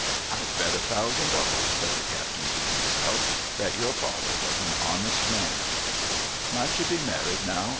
' I'd bet a thousand dollars,' said the captain to himself, ' that your father was an honest man 1 '' Might you be married now